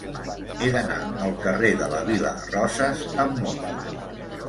He d'anar al carrer de la Vila de Roses amb moto.